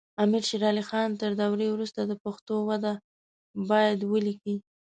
امیر شیر علی خان تر دورې وروسته د پښتو وده باید ولیکي.